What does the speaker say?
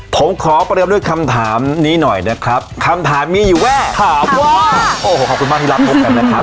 ผมขอประเดิมด้วยคำถามนี้หน่อยนะครับคำถามมีอยู่ว่าถามว่าโอ้โหขอบคุณมากที่รับพบกันนะครับ